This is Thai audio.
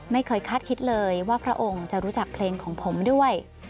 ไม่เคยคาดคิดเลยว่าพระองค์จะรู้จักเพลงของผมด้วย